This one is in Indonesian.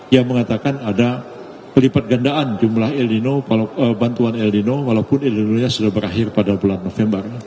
yang mengatakan ada kelipat gandaan jumlah ilnino bantuan ilnino walaupun ilnino nya sudah berakhir pada bulan november